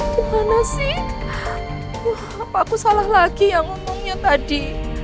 gimana sih apa aku salah lagi yang umumnya tadi